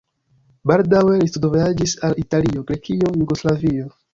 Baldaŭe li studvojaĝis al Italio, Grekio, Jugoslavio.